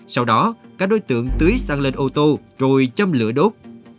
sau đó các đối tượng tưới sang lên ô tô rồi châm lửa đốt